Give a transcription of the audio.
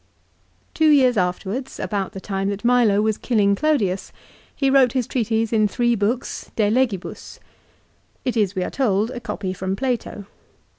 Two years afterwards, about the time that Milo was killing Clodius, he wrote his treatise in three books, "De Legibus." It is, we are told, a copy from Plato.